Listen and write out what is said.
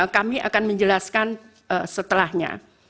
kami akan menjelaskan setelahnya